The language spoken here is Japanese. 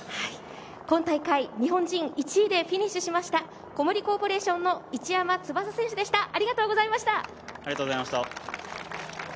今大会、日本人１位でフィニッシュしました小森コーポレーションの市山翼選手でした、ありがとうございました。